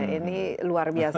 ini luar biasa